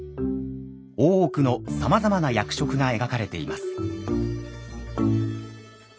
大奥のさまざまな役職が描かれています。